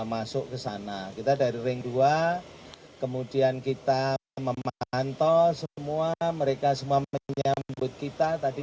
masuk ke sana kita dari ring dua kemudian kita memantau semua mereka semua menyambut kita tadi